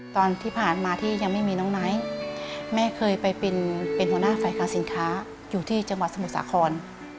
ตอนที่ผ่านมาที่ยังไม่มีน้องไนท์แม่เคยไปเป็นหัวหน้าฝ่ายค้าสินค้าอยู่ที่จังหวัดสมุทรสาคร